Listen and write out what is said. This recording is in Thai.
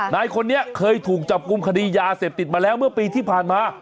นายคนนี้เคยถูกจับกลุ่มคดียาเสพติดมาแล้วเมื่อปีที่ผ่านมา